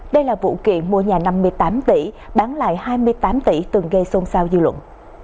đây là vụ kiện mua nhà năm mươi tám tỷ bán lại hai mươi tám tỷ từng gây xôn xao dư luận